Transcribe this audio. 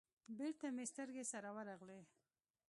بېرته مې سترگې سره ورغلې.